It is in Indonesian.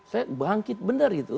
saya bangkit benar gitu